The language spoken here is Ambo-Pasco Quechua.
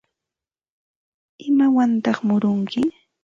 ¿Imawantaq murunki?